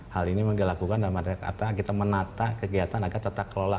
hal ini dilakukan dalam arti kata kita menata kegiatan agar tetap kelola